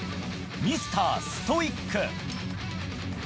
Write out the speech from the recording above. ミスターストイック。